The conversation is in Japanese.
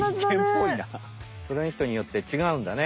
そのひとによって違うんだね。